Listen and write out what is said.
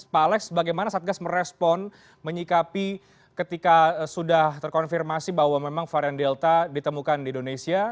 pak alex bagaimana satgas merespon menyikapi ketika sudah terkonfirmasi bahwa memang varian delta ditemukan di indonesia